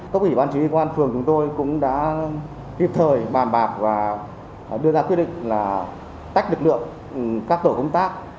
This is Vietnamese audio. cốc ủy ban chí huy quân phường chúng tôi cũng đã hiệp thời bàn bạc và đưa ra quyết định là tách lực lượng các tổ công tác